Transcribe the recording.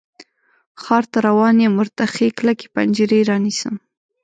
ښار ته روان یم، ورته ښې کلکې پنجرې رانیسم